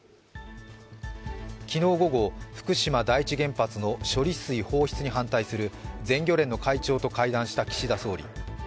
昨日午後、福島第一原発の処理水放出に反対する全漁連の会長と会談した岸田総理。